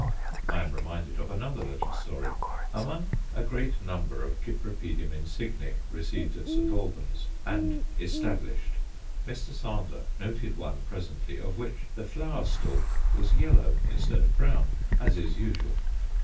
I am reminded of another little story. Among a great number of Cypripedium insigne received at St. Albans, and "established," Mr. Sander noted one presently of which the flower stalk was yellow instead of brown, as is usual.